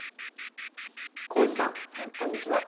耕史さん、こんにちは。